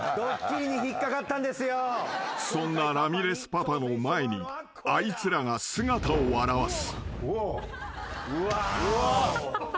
［そんなラミレスパパの前にあいつらが姿を現す］